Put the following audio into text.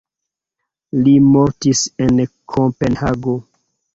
Li mortis en Kopenhago.